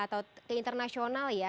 atau ke internasional ya